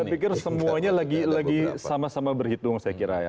saya pikir semuanya lagi sama sama berhitung saya kira ya